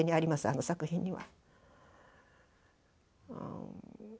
あの作品には。